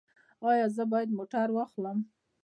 ایا زه باید موټر واخلم؟